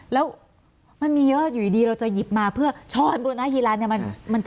แล้วมันมีเยอะอยู่ดีเราจะหยิบมาเพื่อช่อนบุรณาฮีลานเนี่ย